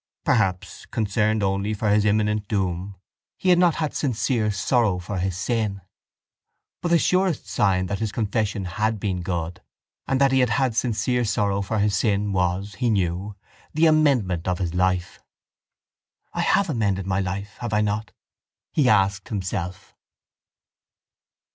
Perhaps, concerned only for his imminent doom, he had not had sincere sorrow for his sin? But the surest sign that his confession had been good and that he had had sincere sorrow for his sin was, he knew, the amendment of his life. —I have amended my life, have I not? he asked himself.